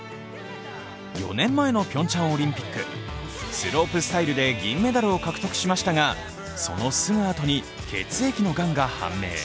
４年前のピョンチャンオリンピックスロープスタイルで銀メダルを獲得しましたがそのすぐ後に血液のがんが判明。